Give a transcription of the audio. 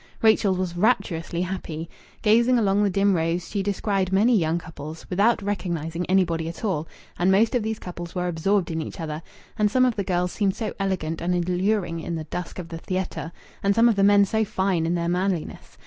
Rachel was rapturously happy. Gazing along the dim rows, she descried many young couples, without recognizing anybody at all, and most of these couples were absorbed in each other, and some of the girls seemed so elegant and alluring in the dusk of the theatre, and some of the men so fine in their manliness!